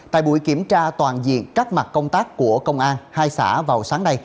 tại buổi kiểm tra toàn diện các mặt công tác của công an hai xã vào sáng nay